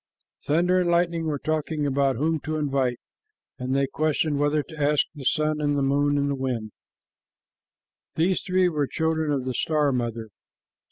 Thunder and Lightning were talking about whom to invite, and they questioned whether to ask the sun, the moon, and the wind. These three were children of the star mother.